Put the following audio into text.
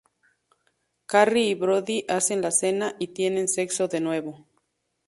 Carrie y Brody hacen la cena y tienen sexo de nuevo.